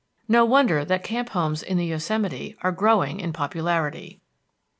No wonder that camp homes in the Yosemite are growing in popularity.